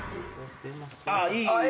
あっいい！